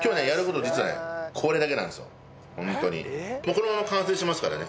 このまま完成しますからね。